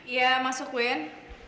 iya masuk win